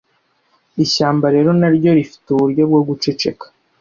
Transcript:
ishyamba rero naryo rifite uburyo bwo guceceka